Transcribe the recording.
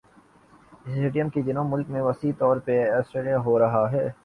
stadium کا جنون مُلک میں وسیع طور پر اثرانداز ہو رہا ہے